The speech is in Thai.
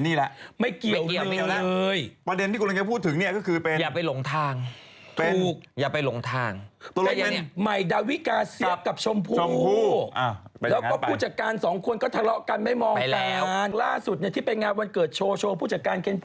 อันนี้มันอยู่ไปไลน์ออกมั้งกองงั้น